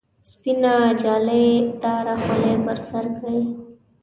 سپینه جالۍ داره خولۍ پر سر کړي.